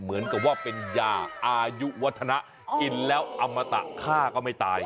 เหมือนกับว่าเป็นยาอายุวัฒนะกินแล้วอมตะฆ่าก็ไม่ตาย